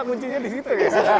iya kuncinya aku di situ